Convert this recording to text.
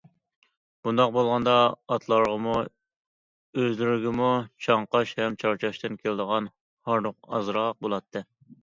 بۇنداق بولغاندا ئاتلارغىمۇ، ئۆزلىرىگىمۇ چاڭقاش ھەم چارچاشتىن كېلىدىغان ھاردۇق ئازراق بولاتتى.